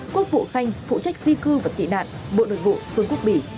quốc vụ khanh phụ trách di cư và tị nạn bộ nội vụ vương quốc bỉ